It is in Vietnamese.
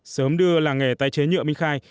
sớm đưa làng nghề tái chế nhựa minh khai